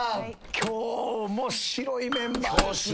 今日面白いメンバーですね。